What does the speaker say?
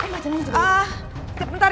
bentar ya sebentar